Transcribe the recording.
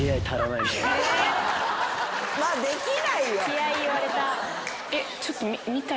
気合言われた。